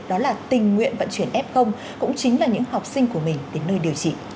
đó là tình nguyện vận chuyển f cũng chính là những học sinh của mình đến nơi điều trị